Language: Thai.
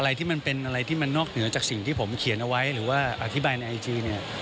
อะไรที่มันเป็นอะไรที่มันนอกเหนือจากสิ่งที่ผมเขียนเอาไว้หรือว่าอธิบายในไอจีเนี่ย